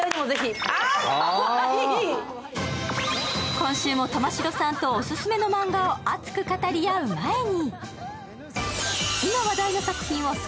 今週も玉城さんとオススメのマンガを熱く語り合う前に。